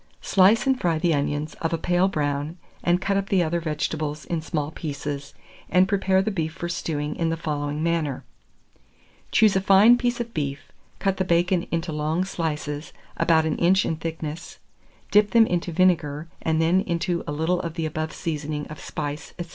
Slice and fry the onions of a pale brown, and cut up the other vegetables in small pieces, and prepare the beef for stewing in the following manner: Choose a fine piece of beef, cut the bacon into long slices, about an inch in thickness, dip them into vinegar, and then into a little of the above seasoning of spice, &c.